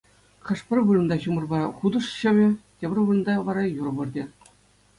Хӑш-пӗр вырӑнта ҫумӑрпа хутӑш ҫӑвӗ, тепӗр вырӑнта вара юр выртӗ.